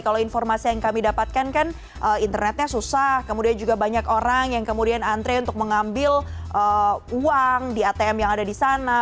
kalau informasi yang kami dapatkan kan internetnya susah kemudian juga banyak orang yang kemudian antre untuk mengambil uang di atm yang ada di sana